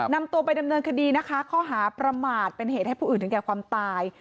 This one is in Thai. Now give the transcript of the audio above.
นำตัวไปดำเนินคดีนะคะข้อหาประมาทเป็นเหตุให้ผู้อื่นถึงแก่ความตาย